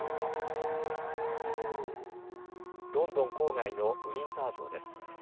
ロンドン郊外のウィンザー城です。